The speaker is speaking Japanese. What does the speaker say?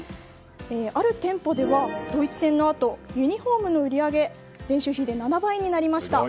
ある店舗ではドイツ戦のあとユニホームの売り上げが前週比で７倍になりました。